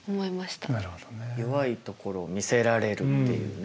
弱いところを見せられるっていうね。